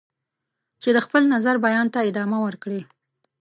چې د خپل نظر بیان ته ادامه ورکړي.